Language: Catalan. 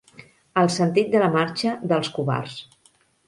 El sentit de la marxa dels covards.